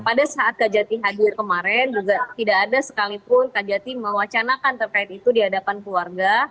pada saat kajati hadir kemarin juga tidak ada sekalipun kak jati mewacanakan terkait itu di hadapan keluarga